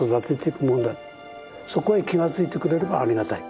そこへ気が付いてくれればありがたい。